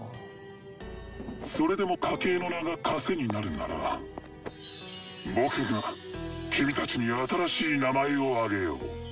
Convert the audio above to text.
それでも家系の名が枷になるなら僕がキミたちに新しい名前をあげよう。